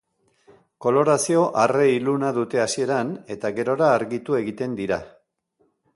Kolorazio arre-iluna dute hasieran eta gerora argitu egiten dira.